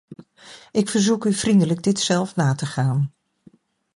Ik verzoek u vriendelijk dit zelf na te gaan.